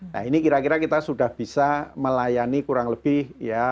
nah ini kira kira kita sudah bisa melayani kurang lebih ya